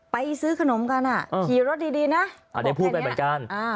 ไปซื้อขนมกันอ่ะขี่รถดีดีน่ะอ่าได้พูดไปเหมือนกันอ่า